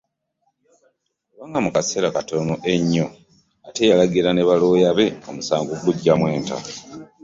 Kubanga mu kaseera katono nnyo ate yalagira ba looya be omusango okugugyamu enta